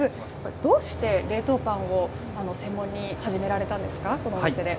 どうして冷凍パンを専門に始められたんですか、このお店で。